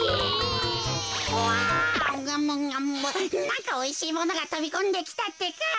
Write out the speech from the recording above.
なんかおいしいものがとびこんできたってか。